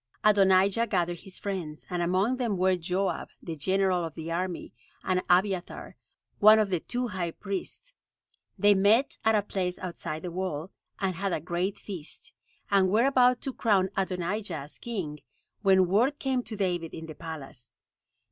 Adonijah gathered his friends; and among them were Joab, the general of the army, and Abiathar, one of the two high priests. They met at a place outside the wall, and had a great feast, and were about to crown Adonijah as king, when word came to David in the palace.